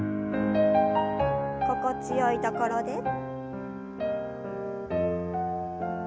心地よいところで。